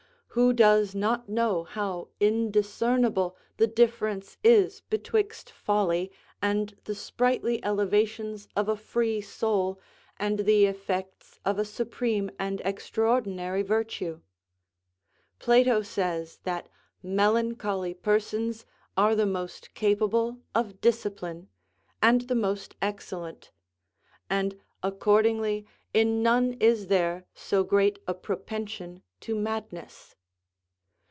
Who does not know how indiscernible the difference is betwixt folly and the sprightly elevations of a free soul, and the effects of a supreme and extraordinary virtue? Plato says that melancholy persons are the most capable of discipline, and the most excellent; and accordingly in none is there so great a propension to madness.